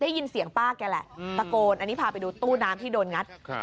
ได้ยินเสียงป้าแกแหละตะโกนอันนี้พาไปดูตู้น้ำที่โดนงัด